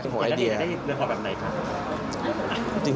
เลยได้เลือนหอบแบบไหนค่ะ